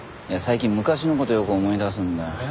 いや最近昔の事をよく思い出すんだ。